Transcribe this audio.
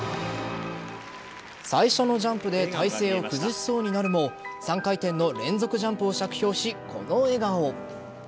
最初のジャンプで体勢を崩しそうになるも３回転の連続ジャンプを着氷しこの笑顔。